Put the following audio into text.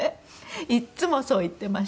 いつもそう言ってました。